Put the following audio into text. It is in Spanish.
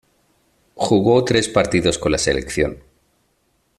Jugó tres partidos con la selección.